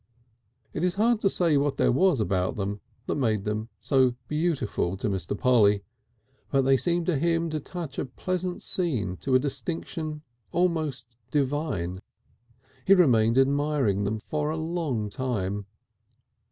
It is hard to say what there was about them that made them so beautiful to Mr. Polly; but they seemed to him to touch a pleasant scene to a distinction almost divine. He remained admiring them for a long time.